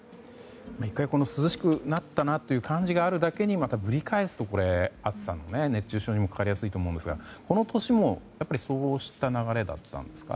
１回、涼しくなったなという感じがあるだけにまたぶり返すと暑さも熱中症にもかかりやすいと思いますがこの年もそうした流れだったんですか？